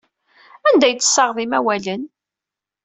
Anda ay d-tessaɣeḍ imawalen?